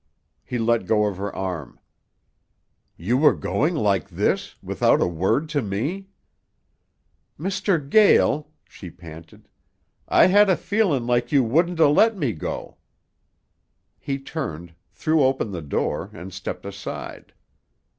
He let go of her arm. "You were going like this, without a word to me?" "Mr. Gael," she panted, "I had a feelin' like you wouldn't 'a' let me go." He turned, threw open the door, and stepped aside.